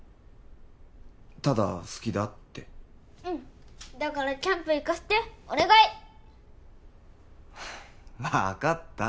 ただ好きだってうんだからキャンプ行かせてお願い分かった